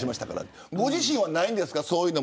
ご自身は、ないんですか。